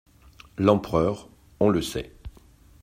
L’empereur… on le sait…